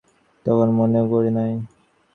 সতর্ক হইয়া লেখা যে দরকার তাহা তখন মনেও করি নাই।